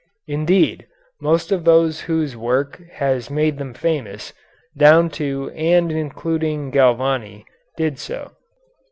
Indeed, most of those whose work has made them famous, down to and including Galvani, did so.